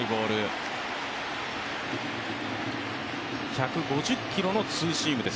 １５０キロのツーシームです。